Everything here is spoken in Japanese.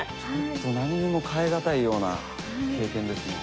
ちょっと何にも代え難いような経験ですね。